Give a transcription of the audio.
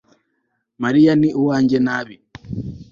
mariya ni uwanjye nabi